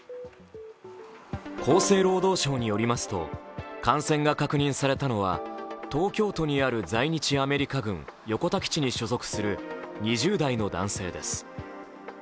厚生労働省によりますと感染が確認されたのは東京都にある在日アメリカ軍横田基地に所属する２０代の男性です。